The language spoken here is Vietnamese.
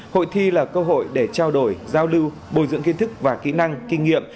hội thi là cơ hội để trao đổi giao lưu bồi dưỡng kiến thức và kỹ năng kinh nghiệm